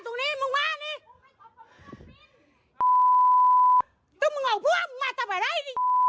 ต้องมึงเอาพวกมึงมาต่อไปไหนดิ